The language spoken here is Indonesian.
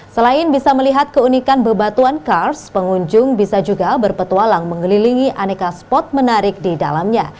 selain bisa melihat keunikan bebatuan kars pengunjung bisa juga berpetualang mengelilingi aneka spot menarik di dalamnya